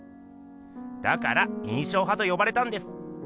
だから「印象派」と呼ばれたんです。